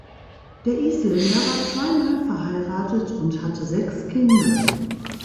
Der Isländer war zweimal verheiratet und hatte sechs Kinder.